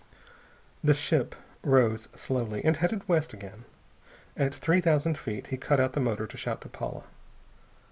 The ship rose slowly, and headed west again. At three thousand feet he cut out the motor to shout to Paula.